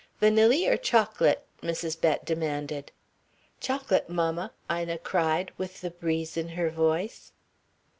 "Vanilly or chocolate?" Mrs. Bett demanded. "Chocolate, mammal" Ina cried, with the breeze in her voice.